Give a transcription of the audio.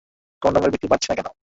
কনডমের বিক্রি বাড়ছে না কেন?